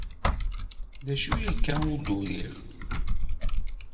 D acu akka ur d-uriɣ?